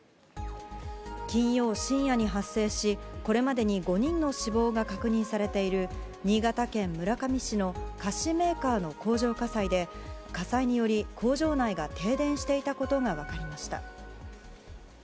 金曜深夜に発生しこれまでに５人の死亡が確認されている新潟県村上市の菓子メーカーの工場火災で火災により工場内が停電していたことが分かりました。